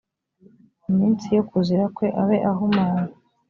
mu minsi yo kuzira kwe abe ahumanye